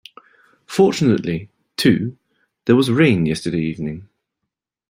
Fortunately, too, there was rain yesterday evening.